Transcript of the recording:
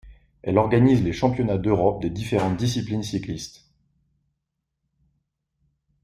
Elle organise les championnats d'Europe des différentes disciplines cyclistes.